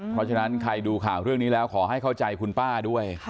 เพราะฉะนั้นใครดูข่าวเรื่องนี้แล้วขอให้เข้าใจคุณป้าด้วย